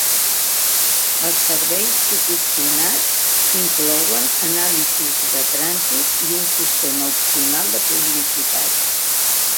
Els serveis proporcionats inclouen anàlisi de trànsit i un sistema opcional de publicitat.